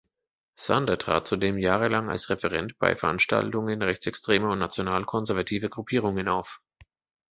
Sander trat zudem jahrelang als Referent bei Veranstaltungen rechtsextremer und national-konservativer Gruppierungen auf.